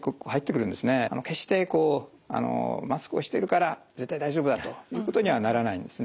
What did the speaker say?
決してこうマスクをしてるから絶対大丈夫だということにはならないんですね。